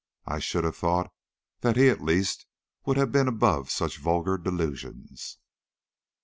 I should have thought that he at least would have been above such vulgar delusions.